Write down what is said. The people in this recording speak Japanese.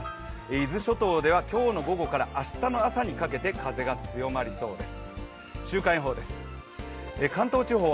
伊豆諸島では今日の午後から明日の朝にかけて風が強まりそうです。